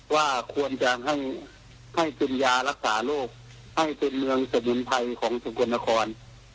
ว่าควรจะให้กินยารักษาโรคให้เป็นเมืองสมุนไพรของสกลนคร